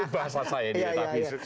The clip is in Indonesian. bahasa saya ini metafisis